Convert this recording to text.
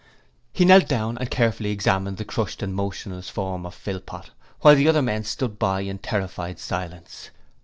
He knelt down and carefully examined the crushed and motionless form of Philpot, while the other men stood by in terrified silence.